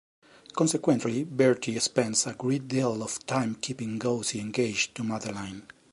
Consequently, Bertie spends a great deal of time keeping Gussie engaged to Madeline.